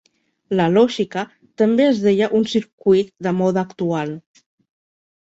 La lògica també es deia un circuit de mode actual.